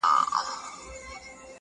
له یخنیه دي بې واکه دي لاسونه-!